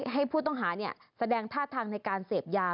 ให้ผู้ต้องหาแสดงท่าทางในการเสพยา